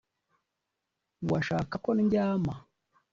washaka ko ndyama